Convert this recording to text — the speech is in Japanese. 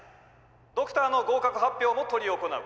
「ドクターの合格発表も執り行う。